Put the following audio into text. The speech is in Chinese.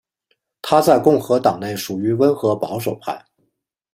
他在共和党内属于温和保守派。